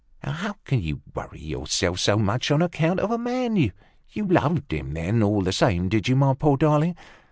"How can you worry yourself so much on account of a man? You loved him, then, all the same, did you, my poor darling?